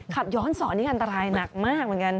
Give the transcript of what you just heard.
ขับย้อนสอนนี่อันตรายหนักมากเหมือนกัน